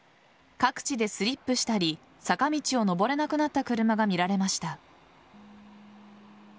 各地でスリップしたり坂道を上れなくなった車が見られました。